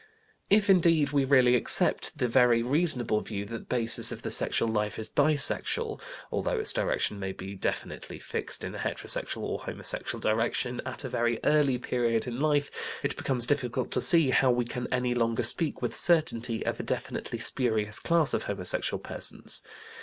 If, indeed, we really accept the very reasonable view, that the basis of the sexual life is bisexual, although its direction may be definitely fixed in a heterosexual or homosexual direction at a very early period in life, it becomes difficult to see how we can any longer speak with certainty of a definitely spurious class of homosexual persons.